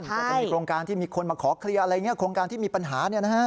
ก็จะมีโครงการที่มีคนมาขอเคลียร์โครงการที่มีปัญหานะฮะ